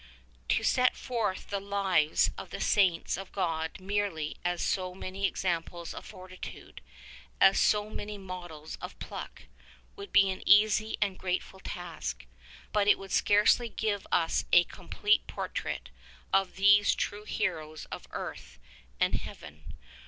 To set forth the lives of the Saints of God merely as so many examples of fortitude, as so many models of pluck, would be an easy and a grateful task. But it would scarcely give us a complete portrait of these true heroes of earth and heaven.